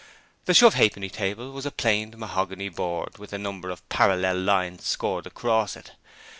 The shove ha'penny table was a planed mahogany board with a number of parallel lines scored across it.